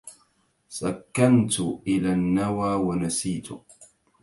سكنت إلى النوى ونسيت